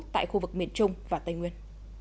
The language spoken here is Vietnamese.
tại khu vực miền trung và tây nguyên